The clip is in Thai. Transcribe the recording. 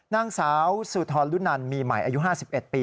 นางสาวสุธรลุนันมีใหม่อายุ๕๑ปี